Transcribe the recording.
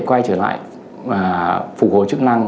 quay trở lại và phục hồi chức năng